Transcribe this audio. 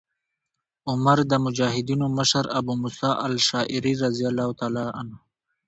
عمر د مجاهدینو مشر ابو موسی الأشعري رضي الله عنه ته